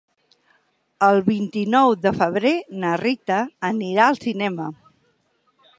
El vint-i-nou de febrer na Rita anirà al cinema.